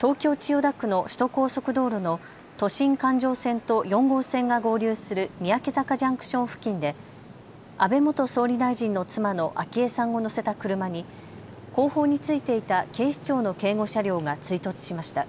東京千代田区の首都高速道路の都心環状線と４号線が合流する三宅坂ジャンクション付近で安倍元総理大臣の妻の昭恵さんを乗せた車に後方についていた警視庁の警護車両が追突しました。